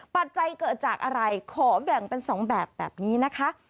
ปัจจัยเกิดจากอะไรขอแบ่งเป็น๒แบบแบบนี้นะคะ